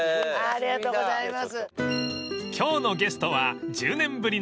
ありがとうございます。